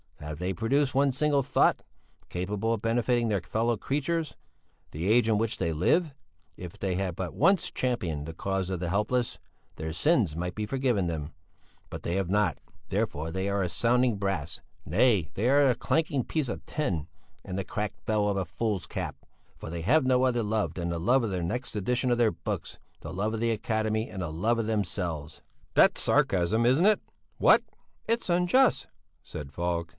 Have they produced one single thought, capable of benefiting their fellow creatures; the age in which they live? If they had but once championed the cause of the helpless, their sins might be forgiven them; but they have not. Therefore they are as sounding brass nay, they are as a clanking piece of tin and the cracked bell of a fool's cap for they have no other love than the love of the next edition of their books, the love of the Academy and the love of themselves.'" "That's sarcasm, isn't it? What?" "It's unjust," said Falk.